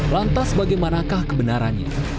lantas bagaimanakah kebenarannya